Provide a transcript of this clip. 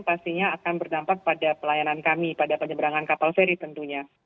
pastinya akan berdampak pada pelayanan kami pada penyeberangan kapal feri tentunya